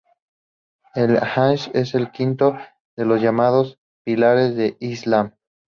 El hach es el quinto de los llamados pilares del islam.